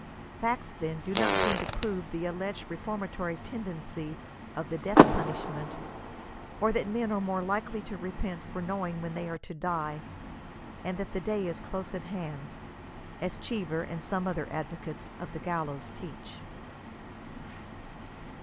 Facts, then, do not seem to prove the alleged reformatory tendency of the death punishment, or that men are more likely to repent for knowing when they are to die, and that the day is close at hand; — as Cheever and some other advocates of the gallows teach.